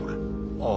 ああ。